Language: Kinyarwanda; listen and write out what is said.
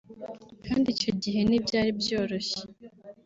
kandi icyo gihe ntibyari byoroshye